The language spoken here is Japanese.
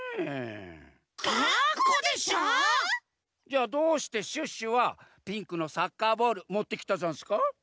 じゃあどうしてシュッシュはピンクのサッカーボールもってきたざんすか？